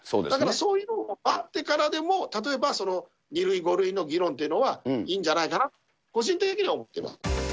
だからそういうのを分かってからでも、例えば２類、５類の議論というのはいいんじゃないかな、個人的には思っています。